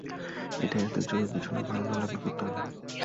এটা এতো জরুরী কিছু না, ভালো না লাগলে করতে হবে না।